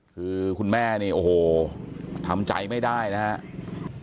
คือคุณแม่นี่โอ้โหทำใจไม่ได้นะครับ